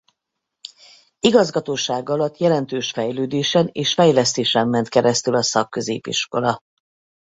Igazgatósága alatt jelentős fejlődésen és fejlesztésen ment keresztül a szakközépiskola.